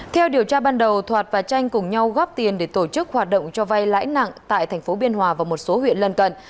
theo điều tra ban đầu thoạt và tranh cùng nhau góp tiền để tổ chức hoạt động cho vay lãi nặng tại thành phố biên hòa và một số huyện lân cận